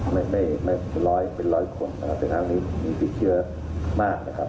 ไม่หน่อยไม่เป็นร้อยคนถ้ารอห์นี้มีวิเครียร์มากนะครับ